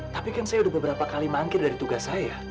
tapi kan saya udah beberapa kali mangkir dari tugas saya